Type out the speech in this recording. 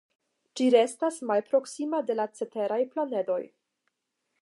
Ĝi restas malproksima de la ceteraj planedoj.